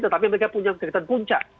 tetapi mereka punya kegiatan puncak